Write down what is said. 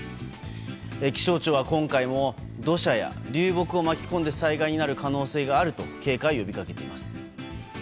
気象庁は、今回も土砂や流木を巻き込んで災害になる可能性があると警戒を呼びかけています。